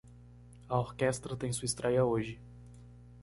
A orquestra tem sua estréia hoje.